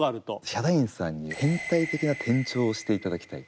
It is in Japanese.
ヒャダインさんに変態的な転調をしていただきたい。